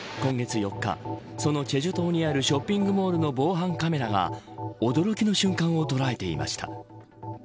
今月４日、その済州島にあるショッピングモールの防犯カメラが驚きの瞬間を捉えていました。